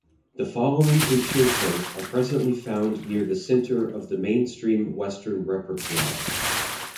The following concertos are presently found near the center of the mainstream Western repertoire.